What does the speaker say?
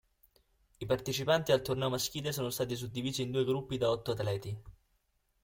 I partecipanti al torneo maschile sono stati suddivisi in due gruppi da otto atleti.